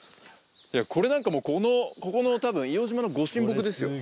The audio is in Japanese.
これなんかここの多分硫黄島のご神木ですよ。